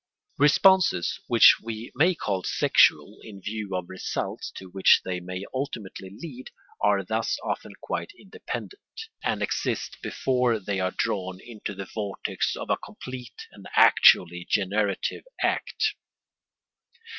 Responses which we may call sexual in view of results to which they may ultimately lead are thus often quite independent, and exist before they are drawn into the vortex of a complete and actually generative act.